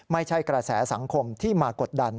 ไม่ใช่กระแสสังคมที่มากดดัน